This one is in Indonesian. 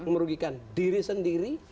merugikan diri sendiri